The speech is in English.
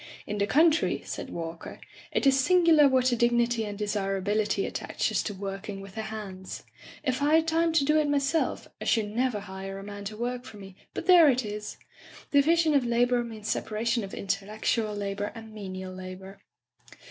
"In the country," said Walker, "it is singular what a dignity and desirability at taches to working with the hands. If I had time to do it myself, I should never hire a man to work for me, but there it is! Division of labor means separation of intellectual la bor and menial labor.